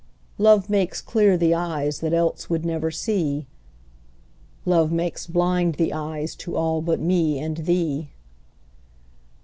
Love makes clear the eyes that else would never see: "Love makes blind the eyes to all but me and thee."